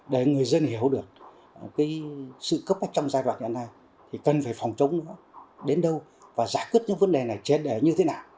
để người dân hiểu được sự cấp bách trong giai đoạn hiện nay thì cần phải phòng chống nữa đến đâu và giải quyết những vấn đề này trên để như thế nào